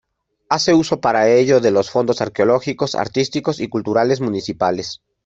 Hace uso para ello de los fondos arqueológicos, artísticos y culturales municipales.